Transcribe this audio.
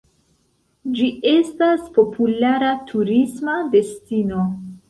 Ĝi estas populara turisma destino.